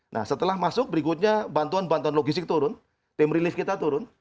nah setelah masuk berikutnya bantuan bantuan logistik turun tim relief kita turun